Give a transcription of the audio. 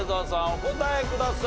お答えください。